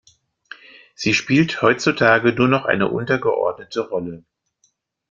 Sie spielt heutzutage nur noch eine untergeordnete Rolle.